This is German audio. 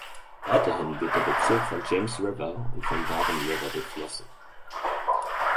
Weiterhin wird der Bezirk vom James River und vom Raven River durchflossen.